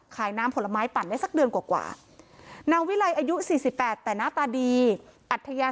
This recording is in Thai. ขายน้ำผลไม้ปั่นได้สักเดือนกว่านางวิลัยอายุ๔๘แต่หน้าตาดีอัธยา